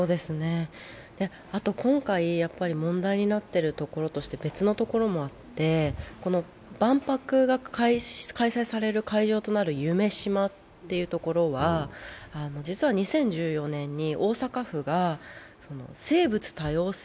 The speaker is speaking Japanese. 今回、問題になっているところとして、別のところもあってこの万博が開催される会場となる夢洲っていうところは、実は２０１４年に大阪府が生物多様性